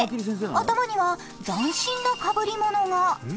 頭には斬新なかぶりものが。